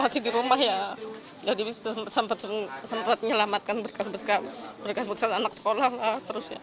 aku masih di rumah ya jadi sempat menyelamatkan berkas berkas anak sekolah